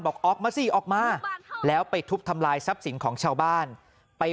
บอกออกมาสิออกมาแล้วไปทุบทำลายทรัพย์สินของชาวบ้านไป